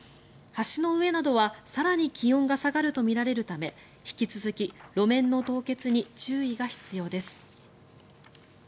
橋の上などは更に気温が下がるとみられるため引き続き路面の凍結に注意が必要です。